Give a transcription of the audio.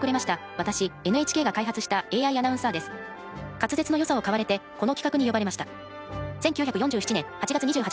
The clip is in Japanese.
滑舌のよさを買われてこの企画に呼ばれました。